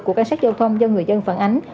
của cảnh sát giao thông do người dân phản ánh